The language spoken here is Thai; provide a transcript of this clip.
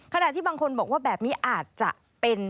ขณะที่บางคนบอกว่าแบบนี้อาจจะเป็น